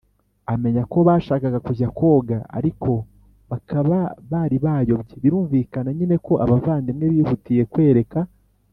amenya ko bashakaga kujya koga ariko bakaba bari bayobye Birumvikana nyine ko abavandimwe bihutiye kwereka